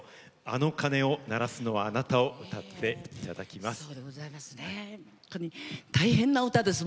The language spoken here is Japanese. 「あの鐘を鳴らすのはあなた」を歌っていただきます。